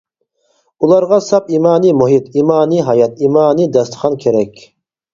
ئۇلارغا ساپ ئىمانى مۇھىت، ئىمانى ھايات، ئىمانى داستىخان كېرەك.